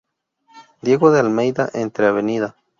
Diego de Almeyda entre Av.